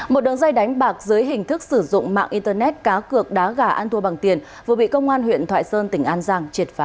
một đường dây đánh bạc dưới hình thức sử dụng mạng internet cá cược đá gà ăn thua bằng tiền vừa bị công an huyện thoại sơn tỉnh an giang triệt phá